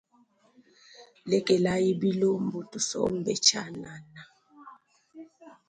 Lekelayi bilumbu tusombe tshianana.